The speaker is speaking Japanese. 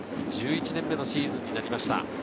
１１年目のシーズンになりました。